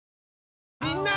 みんな！